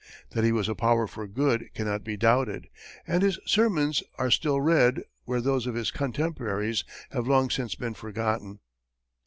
That he was a power for good cannot be doubted, and his sermons are still read, where those of his contemporaries have long since been forgotten.